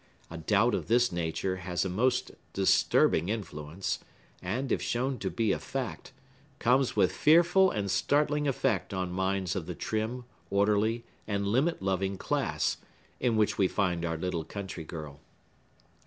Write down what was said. A doubt of this nature has a most disturbing influence, and, if shown to be a fact, comes with fearful and startling effect on minds of the trim, orderly, and limit loving class, in which we find our little country girl.